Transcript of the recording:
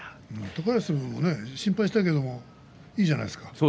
高安、心配したけどいいんじゃないですか。